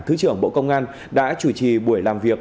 thứ trưởng bộ công an đã chủ trì buổi làm việc